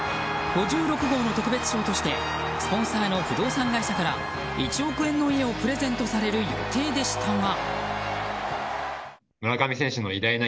５６号の特別賞としてスポンサーの不動産会社から１億円の家をプレゼントされる予定でしたが。